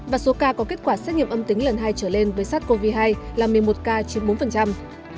và số ca có kết quả xét nghiệm âm tính lần hai trở lên với sars cov hai là một mươi một ca chiếm bốn